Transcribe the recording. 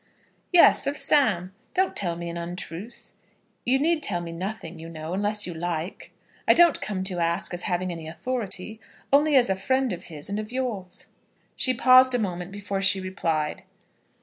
"Yes of Sam. Don't tell me an untruth. You need tell me nothing, you know, unless you like. I don't come to ask as having any authority, only as a friend of his, and of yours." She paused a moment before she replied.